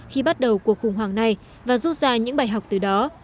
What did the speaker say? khi bắt đầu cuộc khủng hoảng này và rút ra những bài học từ đó